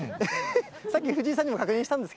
さっき藤井さんにも確認したんで